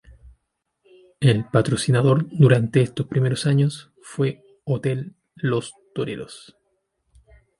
El Patrocinador durante estos primeros años fue Hotel Los Toreros.